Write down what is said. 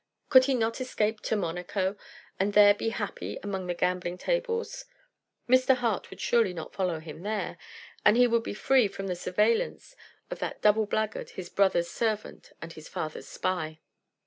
Could he not escape to Monaco, and there be happy among the gambling tables? Mr. Hart would surely not follow him there, and he would be free from the surveillance of that double blackguard, his brother's servant and his father's spy.